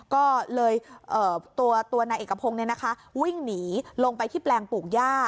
ก็เลยตัวนายเอกพงศ์วิ่งหนีลงไปที่แปลงปลูกย่า